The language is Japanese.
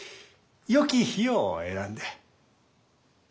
よき日を選んで。